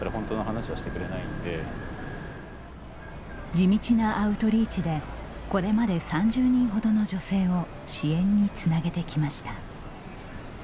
地道なアウトリーチでこれまで３０人ほどの女性を支援につなげてきました。